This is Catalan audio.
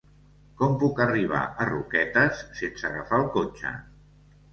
Com puc arribar a Roquetes sense agafar el cotxe?